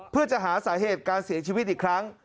เพื่อจะหาสาเหตุการเสียชีวิตอีกครั้ง